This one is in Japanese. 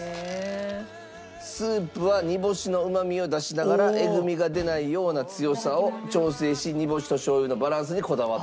スープは煮干しのうまみを出しながらえぐみが出ないような強さを調整し煮干しとしょう油のバランスにこだわった。